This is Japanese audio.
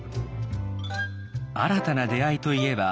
新たな出会いといえばあの曲も。